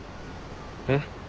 えっ？